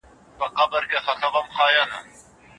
شل منفي پنځه؛ پنځلس کېږي.